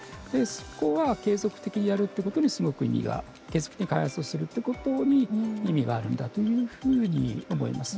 そこは継続的にやるってことにすごく意味が継続的に開発をするってことに意味があるんだというふうに思います。